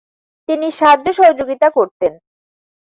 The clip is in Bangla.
তিনি সাহায্য সহযোগিতা করতেন।